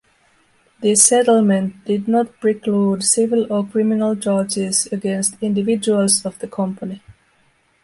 This settlement did not preclude civil or criminal charges against individuals of the company.